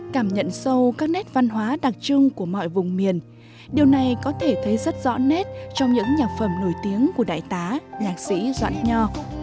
cảm nhận sâu các nét văn hóa đặc trưng của mọi vùng miền điều này có thể thấy rất rõ nét trong những nhạc phẩm nổi tiếng của đại tá nhạc sĩ doãn nho